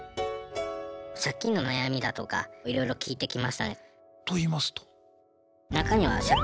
借金の悩みだとかいろいろ聞いてきましたね。と言いますと？